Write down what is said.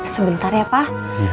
sebentar ya pak